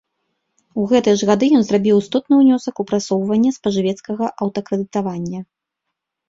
У гэтыя ж гады ён зрабіў істотны ўнёсак у прасоўванне спажывецкага аўтакрэдытавання.